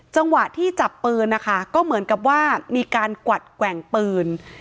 จังหวะที่จับปืนนะคะก็เหมือนกับว่ามีการกวัดแกว่งปืน